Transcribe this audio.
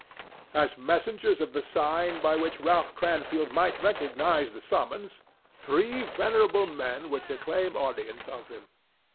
As messengers of the sign by which Ralph Cranfield might recognize the summons, three venerable men were to claim audience of him.